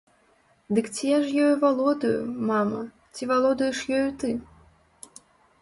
Дык ці ж я ёю валодаю, мама, ці валодаеш ёю ты?